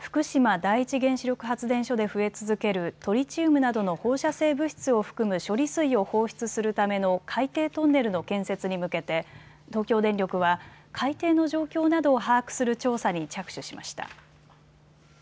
第一原子力発電所で増え続けるトリチウムなどの放射性物質を含む処理水を放出するための海底トンネルの建設に向けて東京電力は海底の状況などを把握する調査に着手しました。